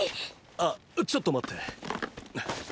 あちょっと待って！